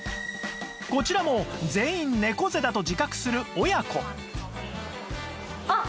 こちらも全員猫背だと自覚する親子あっ！